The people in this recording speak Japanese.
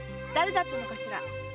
誰だったのかしら？